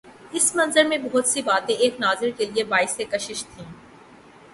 اس منظر میں بہت سی باتیں ایک ناظر کے لیے باعث کشش تھیں۔